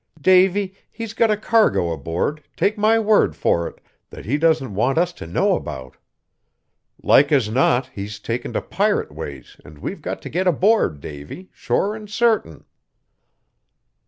Davy, he's got a cargo aboard, take my word for it, that he doesn't want us to know about. Like as not he's taken to pirate ways and we've got to get aboard, Davy, sure and certain."